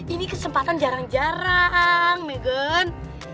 ini kesempatan jarang jarang meghan